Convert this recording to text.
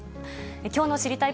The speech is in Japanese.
きょうの知りたいッ！